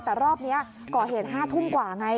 แต่รอบนี้ก่อเหตุ๕ทุ่มกว่าไง